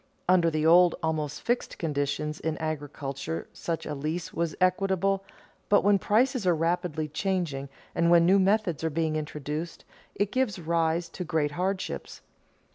Under the old, almost fixed, conditions in agriculture such a lease was equitable, but when prices are rapidly changing and when new methods are being introduced, it gives rise to great hardships.